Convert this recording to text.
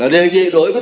đề nghị đối với